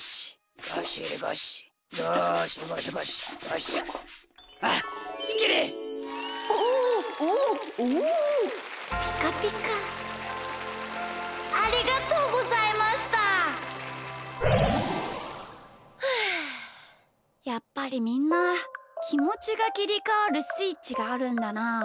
ふうやっぱりみんなきもちがきりかわるスイッチがあるんだな。